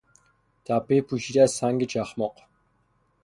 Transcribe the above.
تپهی پوشیده از سنگ چخماق